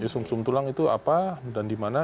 sum sum tulang itu apa dan di mana